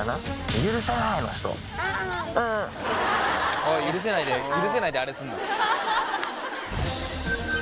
あっ「許せない」で「許せない」であれすんな。ハハハ。